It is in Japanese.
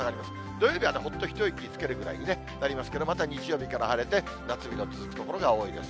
土曜日はほっと一息つけるぐらいになりますけど、また日曜日から晴れて、夏日の続く所が多いです。